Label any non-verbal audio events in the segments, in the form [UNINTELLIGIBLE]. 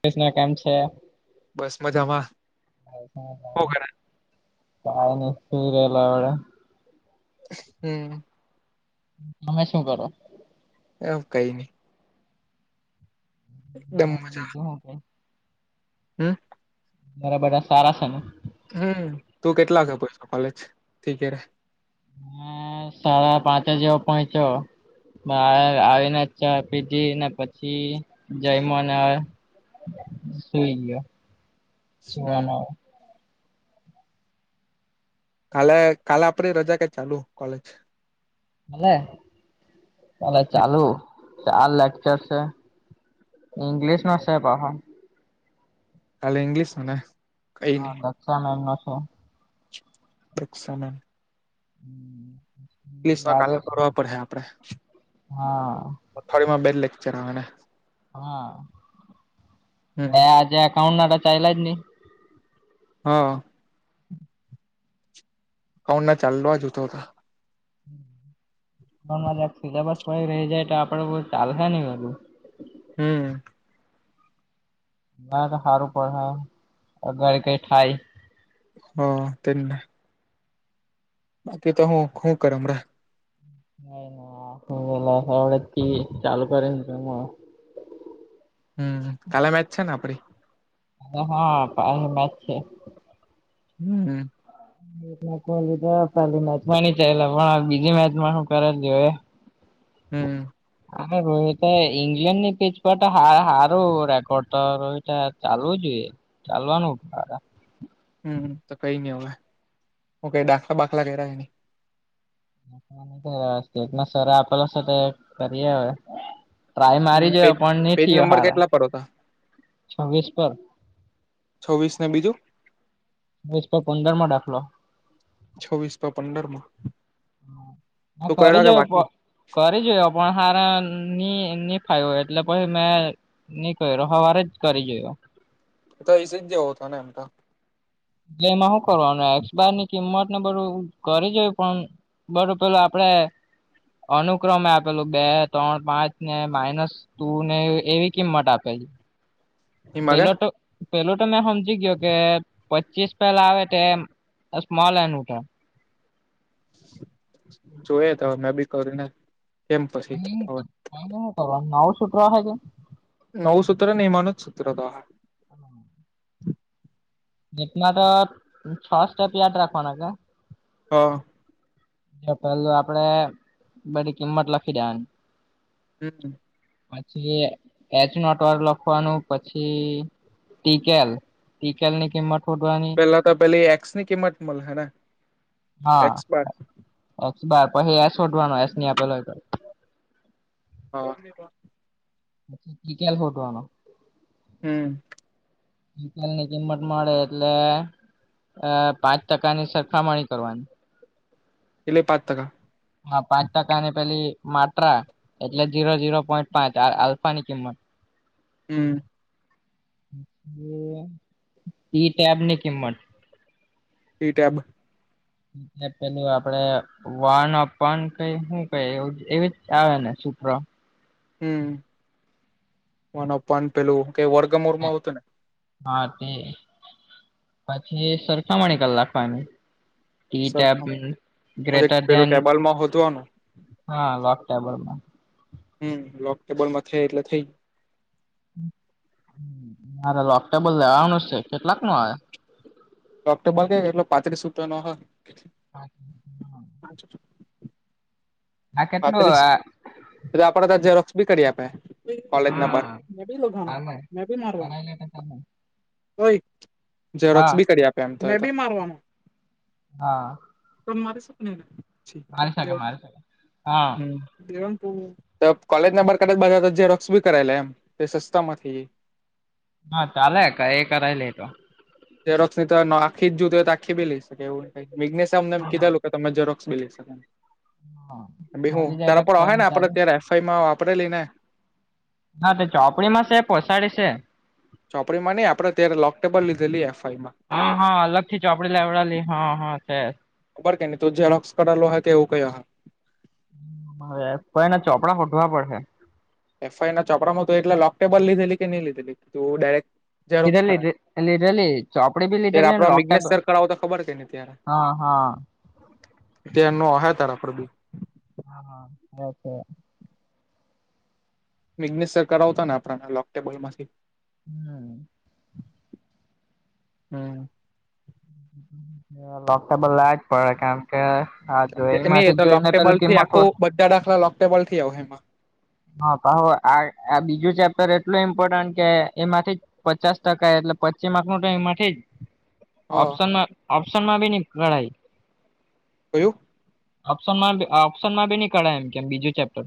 કૃષ્ણા કેમ છે? બસ મજામાં હુ કરે ખાવાનું કંઇ વેલા આવડા. હમ. તમે શું કરો? એમ કઈ નહી. એકદમ હા, બીજું હું કઈ. હમ. મારા બધા સારા છે ને? હમ તું કેટલાખે કોલેજ થી કે રે. હા, સાડા પાંચ જેવો પહોંચ્યો. બાર આવીને, ચા પીધી ને, પછી જઈમનો. સુઈ ગયો હમ સુવાનો. કાલે, કાલે આપડી રજા કે, ચાલુ કોલેજ. હમ ચાલુ, ચાલે લેકચર છે. ઇંગ્લીિશનો સે પાહો. કાલે ઈંગ્લિશ મને હા, દક્ષા મેમ નો છે. દક્ષા મેમ. લીસમાં આજે કાલે ભરવા પડે આપડે. હા. અથવાડિમાં બે જ લેક્ચર આવે ને. હા, હમ આજે એકાઉન્ટ તો ચાલ્યા જ નહી. હા. [UNINTELLIGIBLE] સિલેબસ કોઈ રહી જાય તો, આપડે કો ચાલશે નહી બધું. હમ. ના તો હારુ પડે, અગાળ કઈ થાય. હ, તેને બાકી તો હું હું કરે હમણાં? ના ના ચાલુ કરેન છે [UNINTELLIGIBLE] હમ, કાલે મેચ છે ને આપડી. હા, પાયે મેચ છે. હમ. મેચ લીધો, પેલી મેચ ચલા પણ બીજી મેચમાં કરે જો એ હમ [INAUDIBLE] હા રો તો, ઈંગ્લેન્ડ ની પેચ સારું રેકોર્ડ તો, રો ચાલવું જ હોય. ચાલવાનું. હમ, તો કઈ નહી હોવ. હ, કઈ દાખલા બાખલા ક ન [UNINTELLIGIBLE] સ્ટેટમાં સર આપેલો છે, કરીએ હવે. ટ્રાય હમ મારી પેજ જોયો પણ ની પેજ થયો નંબર હારા કેટલા પર હતા છવ્વીસ પર. છવીશ ને બીજું? [UNINTELLIGIBLE] પંદર મો દાખલો. છવ્વીસમા પંદરમાં. હ હ ઘરે જઈએ કરી જોયો પણ, હારા ની ની ફાયવુ એટલે પછી મેં.... ની કર્યો સવારે જ કરી જોયો. તો એ [UNINTELLIGIBLE] હતો તો એટલે એમાં શું કરવાનું? એક્સપાયર ની કિંમત ને બધું કરી જોયુ પણ, બરો પેલું આપડે અનુક્રમે આપેલું બે ત્રણ પાંચ ને માઇનસ. તુંને એવી કિંમત આપે. એમાં કે પેલો તો પેલો તો મેં સમજી ગયો કે, પચીસ પેલા આવે તો સ્મોલ એન મુકવો. જોય તો હવે મેં બી કરીને. કેમ પછી આનું હવે શું કરવાનું નવું સુત્ર છે. [UNINTELLIGIBLE] નવું સૂત્ર નય. એમાનું જ સૂત્ર તો. [INAUDIBLE] એેકમાં તો છ સ્ટેપ યાદ રાખવાના છે. તો. પેલું આપડે બધી કિંમત લખી દેવાની. હમ્મ. પછી એચનો ટર લખવાનું પછી. ટીકેલ ટિકેલ ની કિંમત શોધવાની. પેલા તો પેલી એક્સ ની કિંમત મળ હેને હા એક્સ બાર. એક્સ બાર પછી આ શોધવાનું એક્સ નિ આપે લ હોય તો. ઓકે. ટીકેલ શોધવાનો. હમ્મ. ટીકેલની કિંમત મળે એટલે.... અ પાંચ ટકાની સરખામણી કરવાની. એટલે પાંચ ટકા. હા પાંચ ટકાની પેલી માત્રા એટલે જીરો જીરો પોઈન્ટ પાંચ આલ્ફા ની કિંમત. હમ્મ. ઈ-ટેબ ની કિંમત. ઈ-ટેબ. એ પેલું આપડે. વાન અપન કઈ શું કઈ? એવી જ આવે ને સુપરા. હમ્મ વન અપોન પેલું કઈ વર્ગમૂળ ઉતરે. [UNINTELLIGIBLE] હતું ને હા તે પછી સરખામણી કર નાખાવાની. ઈ-ટેબ સરખમ પછી ગ્રેટર પેલું ધેન. ટેબલમાં હોદવાનું હા લોક [UNINTELLIGIBLE] હમ લોક ટેબલમાં છે એટલે થઈ જાય. મારે લોક ટેબલ લેવાનું છે. કેટલાક નું આવે? લોક ટેબલ એટલે પાંત્રીસ રુપીયાનુ છે. [INAUDIBLE] આચ આ કેટલું પાંત્રીસ પેલો આપડે ત્યાં ઝેરોક્ષ બી કરી આપે. કોલેજ ના હા હાલે પણ. કરાઈ લે તમે ઝેરોક્ષ હા બી કરી આપે એમ તો એ તો. હા. પણ મારે છે ને. મારી શકે મારી શકે. હા હમ્મ. તો કીઓ તો કોલેજ નંબર કદાચ ઝેરોક્ષ કરેલા એમ તે સસ્તામાં થી. હા કાલે એ કરાય લે એ તો. જેેરોક્સ ની તોખી જ જોય હો તો આખી લઈ શકે એવું મે્નેશિમ ને કીધેલું તમે જરોક્ષ બી લઈ શકું હા ને બહુ મળી જાય ત્યારે તો પા કઈ આહે ને આપડે ચાલે ત્યાં રેસ્ટ ફાઈલ માં વાપરેલી ને હા તો ચોપડીમાં છે પોસાડી છે. ચોપડી માં નઈ આપદે ત્યારે લોક ટેબલ લીધેલી એફ આઈ માં. હા હા અલગથી ચોપડી લાવડલી હા હા છે. ખબર કે નને ઝેરોક્ષ કરેલો હોય એવું કયો હ. પણ એને ચોપડા હોધવા પડશે. એફ આઈ આ ચોપડામાં હતુ એટલા લોક ટેબલ લીધેલી કે નહી લીધેલી તો ડાયરેક્ટ ઝેરોક્ષ કરાવ, લીધેલી લીધેલી ચોપડી બી ત્યારે લીધેલી આપડે ને લોકટેબ મિઘ્નેશ સર કરાવો તો ખબર હે કે ને ત્યારે હા હા ત એનો વહાય તારા આપણે બી. હા ઓકે. મિગનેશ સર કરાવતા ને આપડા ને લોકટેબલ માંથી હમ્મ. હમ્મ. આ લોગ ટેબલ લાએજ પડે કારણ કે હા કેમ જો કે ની એમાંથી જોઈને લોકટેબલ પેલું થી કિંમત આખું બધા દાખલા લોકટેબલ થી આવે એમાં. હા પાહો આ બીજું ચેપ્ટર એટલું ઇમ્પોર્ટન્ટ કે એમાંથી પચાસ ટકા એટલે પચી માર્ક નુ ટઈ એમાં થી જ હા ઓપ્શનમાં હોય ઓપ્શનમાંબી નહી ગણાય. એવું ઓપ્શનમાન અહ ઓપ્શનમાં બી નહી કઠાય એમ કેમ બીજું ચેપ્ટર.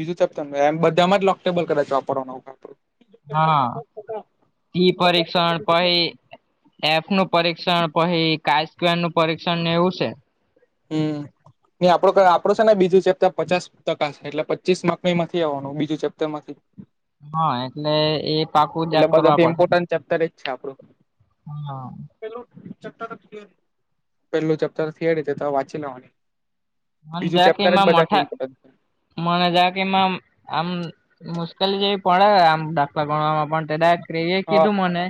બીજું ચેપટર ત એમ બધામાં જ લોકટેબલ કદાચ વાપરવાનો આવે કાકતો. હા ઈ પરીક્ષણ પહી એફ નું પરીક્ષણ પહી કાય સ્કવેર નું પરીક્ષણ એવું છે. હમ્મ ને આપડો કે આપડો છે ને બીજું ચેપ્ટર પચાસ ટકા શે એટલે પચીસ માર્ક નુ એમાં થી આવવાનું બીજું ચેપ્ટર માંથી. હા એટલે એ પાકુ જાગ કરવા પડે. ચેપ્તર જ છે આપડું. હા. પહેલું ચેપ્ટર થિયરી છે તો વાંચી લેવાની. મને બીજું જરાક ચેપ્ટર જ એમાં બધાથી મઠા ઇમ્પોર્ટન્ટ મને જ કે એમાં આમ મુશ્કેલી જેવી પડે આમ દાખલા ગણવામાં પણ તે ડાયરેક્ટ ક એ હા કીધું મને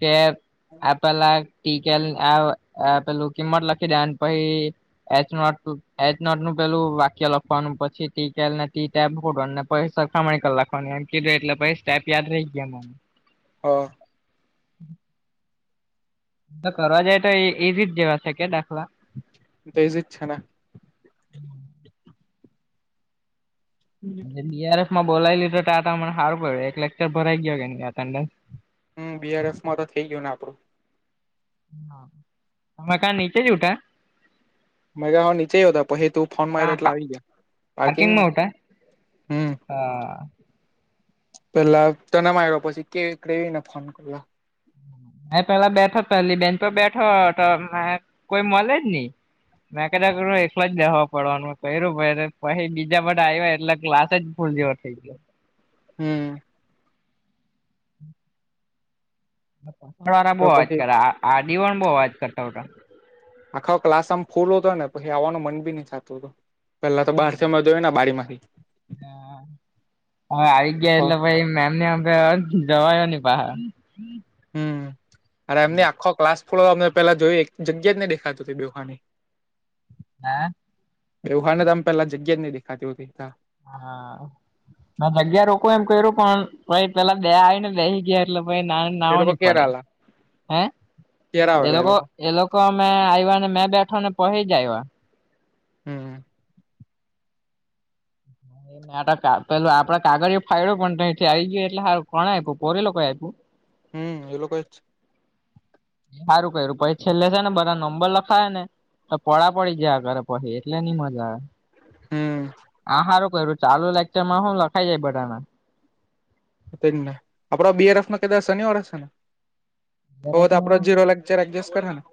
કે આ પેલા ટીકેલ આ પેલું કિંમત લખી દેવાની પહી- એચ નોટ એચ નોટ નું પેલું વાક્ય લખવાનું પછી ટી ટેલ અને ટી ટેબ [UNINTELLIGIBLE] પ સરખામણી કર નાખવાની એમ કીધું એટલે પછી સ્ટેપ યાદ રહી ગયા મને અ કરવા જાય તો એ ઈઝીજ જેવા છે કે દાખલા તે ઈઝી જ છે ને હમ. બડીઆરએફમાં બોલાઇ લીધો તો આ મને સારું પડ એક લેક્ચર ભરાઈ ગયો અટેન્ડન્સ હમ બીઆરએફમાં તો થઇ ગયું ને આપડું. તમે કા નીચે જ ઉઠા. મ નીચે યોતા પછી તું ફોન માર કા એટલે આવી ગયા પાર્કિંગમાં હમ હા. પેલા તને માર્યો પછી કેવીને ફોન કર્યો. હ મે પેલા બેઠો પેહલી બેન્ચ પર બેઠો હતો કોઈ મળે જ નહી. મેં કદાચ એકલો બેહવા પડવાનું હતું કયરુ પછી બીજા બધા આયવા એટલે ક્લાસ જ ફૂલ જેવા થઈ ગયો. હમ. પર વાળા બહુ તો અવાજ પછી કર આડીવાણ બહુ અવાજ કરતા હતા. આખો ક્લાસ આમ ફૂલ હતો ને પછી આવવાનું મન બી નહી થતું હતું. પેહલા તો બહારથી અમે જોઈએ ને બારી માંથી હા હવે આવી ગયા એટલે ભાઈ મેમને હામ જવાયો નહી બહાર હમ અરે નય આખો ક્લાસ ફુલ અમે પહેલાં જોયેલી એક જગ્યા જ ને દેખાતી હતી બેહવાની હા. બેહવાની આમ પેલા જગ્યા જ નહીં દેખાતી હોતી હા ના જગ્યા રોકું એમ કર્યું પણ એમાં પહેલાં બે આવીને બેસી ગયા એટલે ના એ નાહવા લોકો નય ક્યારે પડાય આલા હે એ લોકો એ લોકો અમે આવ્યા ને મેં બેઠા ને પહી જ આવ્યા હમ. પેલું આપણે કાગળિયુ ફાડ્યું પણ તઈથી આવી ગયું એટલે સારું કો આપ્યું, પછી લોકો આપ્યું હા, એ લોકો જ સારું કર્યું પછી છેલ્લે છે ને બધા નંબર લખ ખાયા ને તો પોળા પડી ગયા આગળ પછી એટલે નય મજા આવે. હમ આ સારું કર્યું ચાલુ લેક્ચરમાં હું લખાઈ જાય બધાને તે જ ને આપણો બીઆરએફનો કદાચ શનિવાર હશે ને? હવે દરેક તો આપડો ઝીરો લેક્ચર એડજસ્ટ કરે હે ને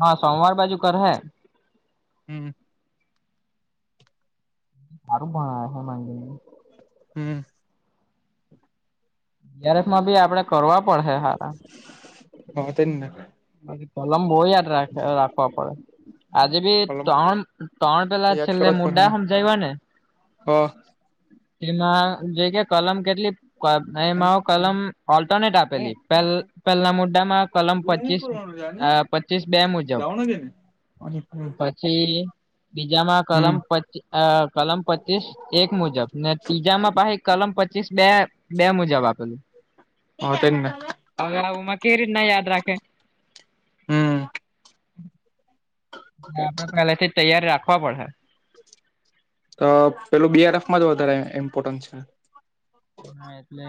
હા સોમવાર બાજુ હે. હમ. સારું ભણાવે છે [UNINTELLIGIBLE] હમ. બીઆરએફમાં બી આપણે કરવા પડે હે સારાં. હા તે કલમ બોવ યાદ રાખે રાખવા પડે. આજે બી ત્રણ-ત્રણ પેલા છેલ્લે મુદા હમજાવ્યા ને હ. એમાં જે કે કલમ કેટલી? [UNINTELLIGIBLE] ને એમાંઓ કલમ ઓલ્ટરનેટ આપેલી. પહેલ પહેલાં મુદ્દામાં કલમ પચીસ આ પચીસ બે મુજબ. પછી બીજામાં હમ કલમ પચ, અહ કલમ પચીસ એક મુજબ, ને તીજામાં પાહી કલમ પચીસ, બે-બે મુજબ આપેલું. હા તેજ ને. હવે આ ઓમાં કેવી રીતના યાદ રાખે? હમ [INAUDIBLE] ને આપણે પહેલેથી જ તૈયારી રાખવા પડહે. તો પહેલું બી આર એફમાં જ વધારે ઇમ્પોર્ટન્ટ છે. હા એટલે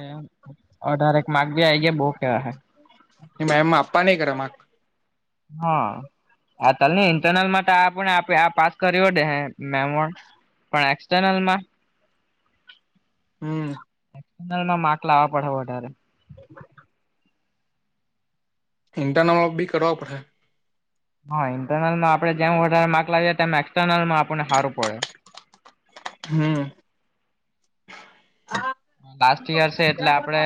અઢારેક માર્ક ભી આવી ગયા, બહુ કહેવા હે. એ મેમમાં આપવા ની [UNINTELLIGIBLE] હા. આ તને ઇન્ટરનલમાં તો આ આપણે આ [UNINTELLIGIBLE] પાસ કર્યો દેહે. [UNINTELLIGIBLE] પણ એક્સટર્નલમાં હમ્મ. એક્સટર્નલમાં માર્ક લાવવા પડહે વધારે. [INAUDIBLE] ઇન્ટરનલ [UNINTELLIGIBLE] બી કરવો પડહે. હા, ઇન્ટરનલમાં આપણે જેમ વધારે માર્ક લાવીએ, તેમ એક્સટર્નલમાં આપણને હારું પડે. હમ્મ. લાસ્ટ યર છે એટલે આપણે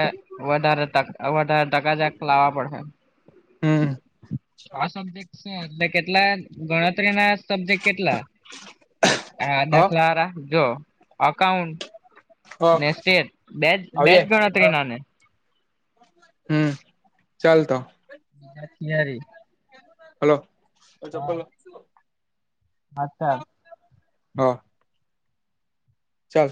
વધારે ટક વધારે ટકા જેક લાવવા પડહે. હમ્મ. આ સબ્જેક્ટ છે એટલે કેટલા ગણતરીના સબ્જેક્ટ કેટલા? આ હ દાખલાવાળા. જો એકાઉન્ટ હા. સ્ટેટ, બેજ-બેજ ગણતરી ના ને? હમ્મ. ચાલ તો. બીજા થિયરી. હલો. અચ્છા. હા. ચાલ.